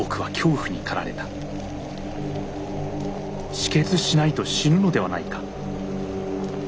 止血しないと死ぬのではないか。